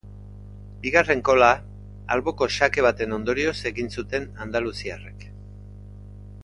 Bigarren gola alboko sake baten ondorioz egin zuten andaluziarrek.